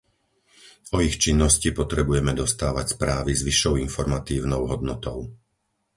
O ich činnosti potrebujeme dostávať správy s vyššou informatívnou hodnotou.